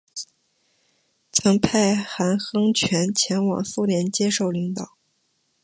曾派韩亨权前往苏联接受领导。